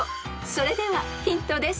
［それではヒントです］